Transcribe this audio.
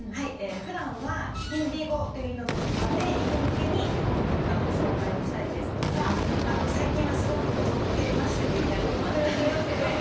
ふだんはヒンディー語というインドの言葉でインド向けに日本文化の紹介をしたりですとかあと最近はすごく踊ってましてＶＴＲにもあったんですけど。